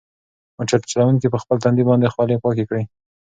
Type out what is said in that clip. موټر چلونکي په خپل تندي باندې خولې پاکې کړې.